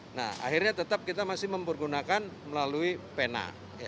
nah akhirnya tetap kita masih mempergunakan melalui pena